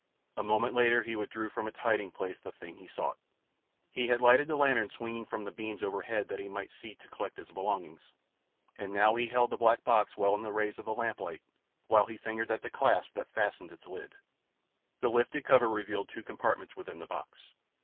A moment later he withdrew from its hiding place the thing he sought. He had lighted the lantern swinging from the beams overhead that he might see to collect his belongings, and now he held the black box well in the rays of the lamplight, while he fingered at the clasp that fastened its lid. The lifted cover revealed two compartments within the box.